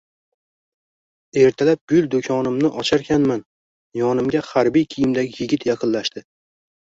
Ertalab gul do`konimni ocharkanman, yonimga harbiy kiyimdagi yigit yaqinlashdi